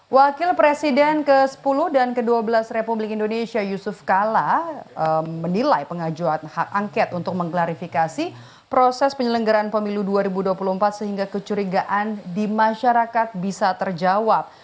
wakil presiden ke sepuluh dan ke dua belas republik indonesia yusuf kala menilai pengajuan hak angket untuk mengklarifikasi proses penyelenggaraan pemilu dua ribu dua puluh empat sehingga kecurigaan di masyarakat bisa terjawab